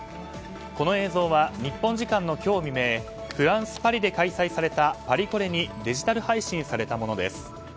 この映像は日本時間の今日未明フランス・パリで開催されたパリコレにデジタル配信されたものです。